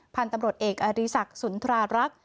พันธุ์ตำรวจเอกอริสักสุนทรารักษ์